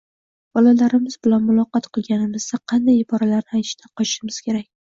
Bolalarimiz bilan muloqot qilganimizda qanday iboralarni aytishdan qochishimiz kerak?